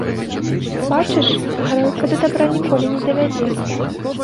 Бачыш, гарэлка да дабра ніколі не давядзе.